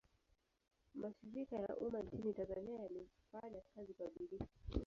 mashirika ya umma nchini tanzania yalifanya kazi kwa bidii